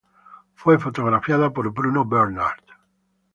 Fue fotografiada por Bruno Bernard.